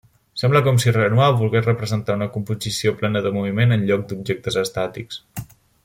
Sembla com si Renoir volgués representar una composició plena de moviment en lloc d'objectes estàtics.